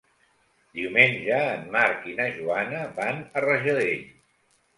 Diumenge en Marc i na Joana van a Rajadell.